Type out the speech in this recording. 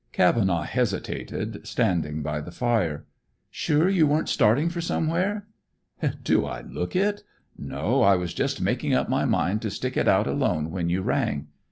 Cavenaugh hesitated, standing by the fire. "Sure you weren't starting for somewhere?" "Do I look it? No, I was just making up my mind to stick it out alone when you rang.